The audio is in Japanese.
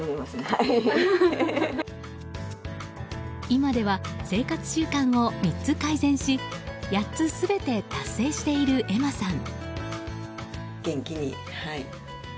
今では生活習慣を３つ改善し８つ全て達成しているえまさん。